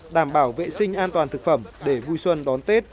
đảm bảo vệ sinh an toàn thực phẩm để vui xuân đón tết